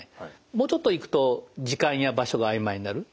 もうちょっといくと時間や場所があいまいになる。